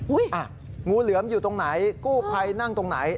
งูเหลือมอยู่ตรงไหนกู้ภัยนั่งตรงไหน